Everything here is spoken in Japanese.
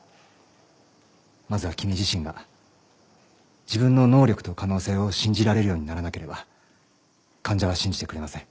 まずは君自身が自分の能力と可能性を信じられるようにならなければ患者は信じてくれません。